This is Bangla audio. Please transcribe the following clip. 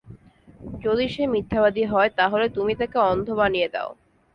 যদি সে মিথ্যাবাদী হয় তাহলে তুমি তাকে অন্ধ বানিয়ে দাও।